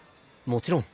もちろん。